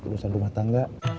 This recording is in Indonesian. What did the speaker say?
perusahaan rumah tangga